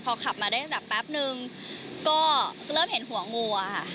พอขับมาได้แป๊บนึงก็เริ่มเห็นหัวงัวค่ะ